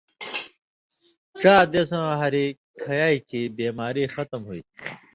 ڇا دیسؤں ہریۡ کھیائ کھیں بیماری ختم ہوتھی۔